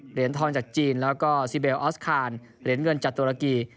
เหรียญทองจากจีนแล้วก็ซิเบลออสคานเหรียญเงินจากตุรกี